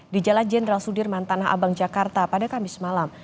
di jalan jenderal sudirman tanah abang jakarta pada kamis malam